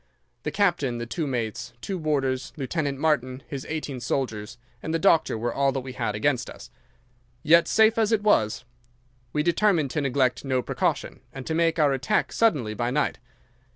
The captain, the two mates, two warders, Lieutenant Martin, his eighteen soldiers, and the doctor were all that we had against us. Yet, safe as it was, we determined to neglect no precaution, and to make our attack suddenly by night.